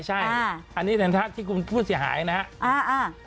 ใช่อันนี้แสดงท่าที่คุณพูดเสียหายนะครับ